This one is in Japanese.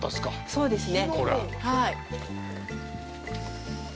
そうですね。